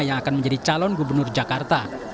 yang akan menjadi calon gubernur jakarta